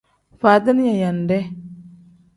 Faadini yaayande.